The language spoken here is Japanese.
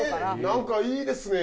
何かいいですね